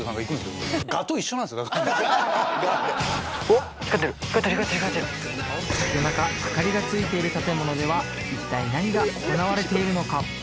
っていうのを夜中明かりがついている建物では一体何が行われているのか？